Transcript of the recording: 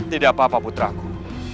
tidak apa apa putraku